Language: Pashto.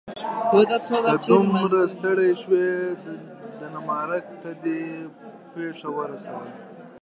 که دومره ستړی شوې ډنمارک ته دې پښه ورسیده.